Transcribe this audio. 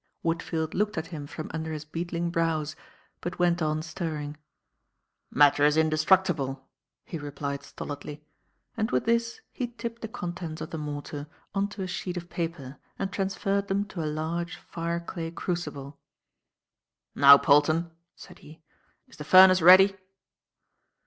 Woodfield looked at him from under his beetling brows, but went on stirring. "Matter is indestructible," he replied stolidly; and with this he tipped the contents of the mortar on to a sheet of paper and transferred them to a large fireclay crucible. "Now, Polton," said he, "is the furnace ready?"